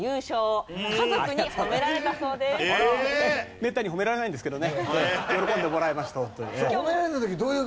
めったに褒められないんですけどね。